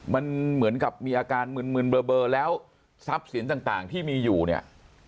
มันเหมือนกับมีอาการมึนเบอร์แล้วทรัพย์สินต่างที่มีอยู่เนี่ย